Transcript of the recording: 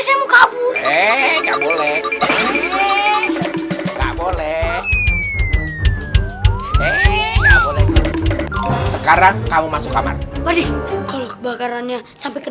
kamu kabur eh nggak boleh nggak boleh sekarang kamu masuk kamar kalau kebakarannya sampai ke